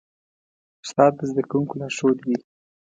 استاد د زدهکوونکو لارښود وي.